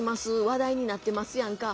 話題になってますやんか。